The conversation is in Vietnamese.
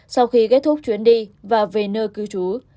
sau khi kết thúc chuyến đi và về nơi cư trú